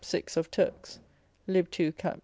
of Turks, lib. 2. cap.